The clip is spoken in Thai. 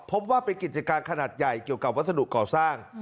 พบว่าเป็นกิจการขนาดใหญ่เกี่ยวกับวัสดุก่อสร้าง